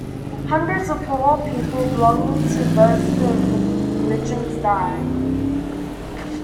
Hundreds of poor people belonging to both the religions die.